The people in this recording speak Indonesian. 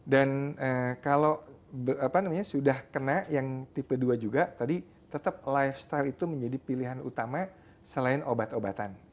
dan kalau sudah kena yang tipe dua juga tadi tetap lifestyle itu menjadi pilihan utama selain obat obatan